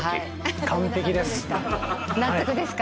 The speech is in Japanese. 完璧です。